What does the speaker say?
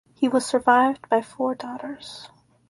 He was survived by four daughters.